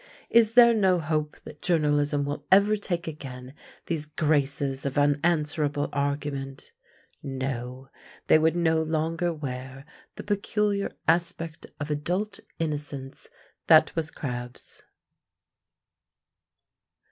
Is there no hope that journalism will ever take again these graces of unanswerable argument? No: they would no longer wear the peculiar aspect of adult innocence that was Crabbe's.